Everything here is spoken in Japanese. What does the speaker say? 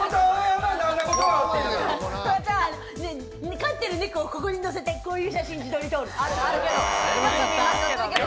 飼ってる猫をここにのせて、こういう写真、自撮り撮る。